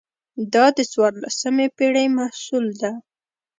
دا د څوارلسمې پېړۍ محصول ده.